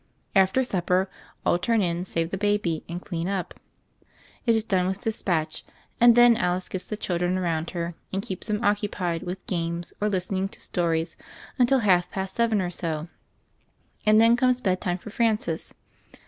After supper, all turn in, save the baby, and clean up : it is done with dispatch ; and then Alice gets the children around her and keeps them occupied with games or listening to stories until half past seven or so, and then comes bed time for Francis.